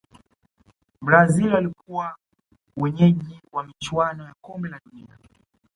brazil walikuwa wenyeji wa michuano ya kombe la dunia